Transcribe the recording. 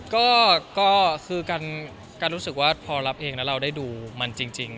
ก็คือการรู้สึกว่าพอรับเองแล้วเราได้ดูมันจริง